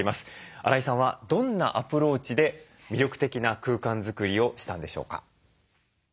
荒井さんはどんなアプローチで魅力的な空間作りをしたんでしょうか？